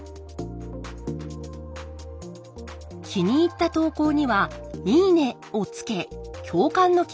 気に入った投稿には「いいね」をつけ共感の気持ちを伝えます。